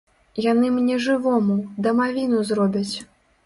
Яны мне жывому, дамавіну зробяць!